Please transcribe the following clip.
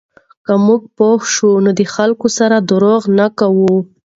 که موږ پوه شو، نو د خلکو سره درواغ نه کوو.